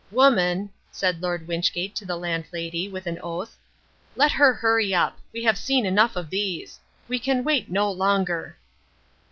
"Woman," said Lord Wynchgate to the Landlady, with an oath, "let her hurry up. We have seen enough of these. We can wait no longer."